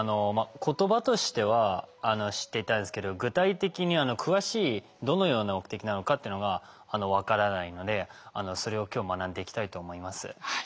言葉としては知っていたんですけど具体的に詳しいどのような目的なのかっていうのが分からないのでそれを今日学んでいきたいと思います。